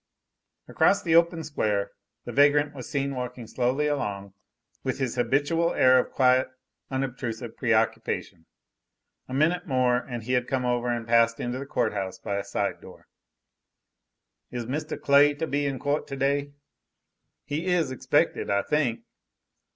Across the open square the vagrant was seen walking slowly along with his habitual air of quiet, unobtrusive preoccupation. A minute more and he had come over and passed into the court house by a side door. "Is Mr. Clay to be in court to day?" "He is expected, I think."